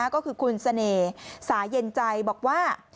ก็คือคุณเสน่ห์สายเย็นใจบอกว่า